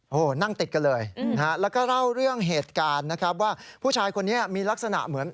โหนั่งติดกันเลยแล้วเรื่องเหตุการณ์ผู้ชายคนนี้มีลักษณะเหมือน